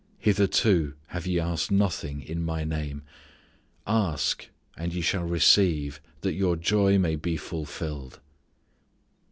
Hitherto have ye asked nothing in My name: ask, and ye shall receive, that your joy may be fulfilled."